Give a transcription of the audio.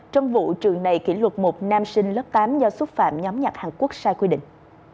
trong vụ trường này kỷ luật một nam sinh lớp tám do xúc phạm nhóm nhạc hàn quốc sai quy định